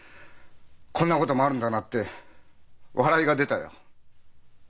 こんなこともあるんだなって笑いが出たよ。